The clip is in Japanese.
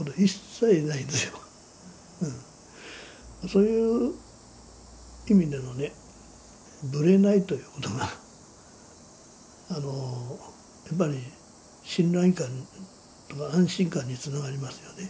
そういう意味でのねブレないということがやっぱり信頼感とか安心感につながりますよね。